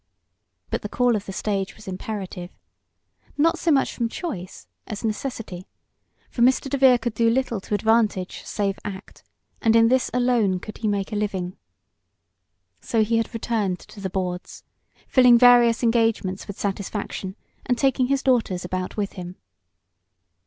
But the call of the stage was imperative, not so much from choice as necessity, for Mr. DeVere could do little to advantage save act, and in this alone could he make a living. So he had returned to the "boards," filling various engagements with satisfaction, and taking his daughters about with him.